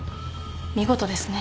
見事ですね。